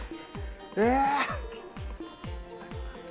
え？